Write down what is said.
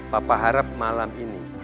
papa harap malam ini